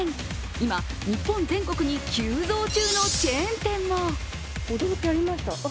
今、日本全国に急増中のチェーン店も。